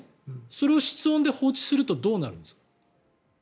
それを室温で放置するとどうなるんですか？